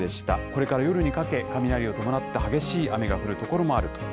これから夜にかけ、雷を伴った激しい雨が降る所もあると。